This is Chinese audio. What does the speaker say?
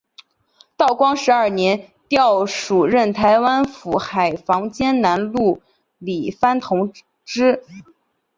道光十二年调署任台湾府海防兼南路理番同知。